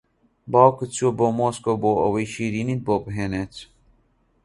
باوکت چووە بۆ مۆسکۆ بۆ ئەوەی شیرینیت بۆ بھێنێت